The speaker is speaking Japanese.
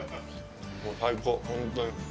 もう最高、本当に。